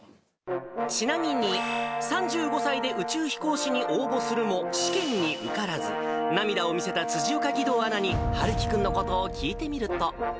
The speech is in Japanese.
ちなみに、３５歳で宇宙飛行士に応募するも、試験に受からず、涙を見せた辻岡義堂アナに、陽生君のことを聞いてみると。